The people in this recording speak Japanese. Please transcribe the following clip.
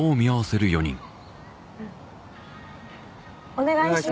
うんお願いします